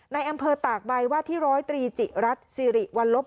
ในอำเภอตากใบว่าที่๑๐๓จิรัตน์ซีริวันลบ